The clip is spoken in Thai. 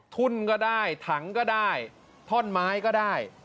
ทุ่นก็ได้ถังก็ได้ท่อนไม้ก็ได้